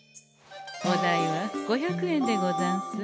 お代は５００円でござんす。